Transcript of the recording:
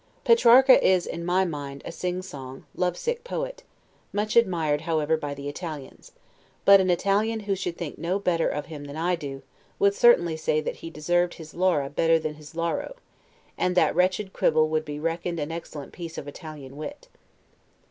Petrarca is, in my mind, a sing song, love sick poet; much admired, however, by the Italians: but an Italian who should think no better of him than I do, would certainly say that he deserved his 'Laura' better than his 'Lauro'; and that wretched quibble would be reckoned an excellent piece of Italian wit.